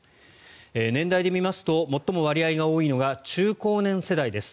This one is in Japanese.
年代で見ますと最も割合が多いのが中高年世代です。